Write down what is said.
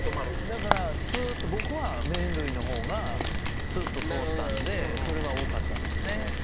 だから、すーっと、僕は、麺類のほうが、すっと通ったんで、それが多かったですね。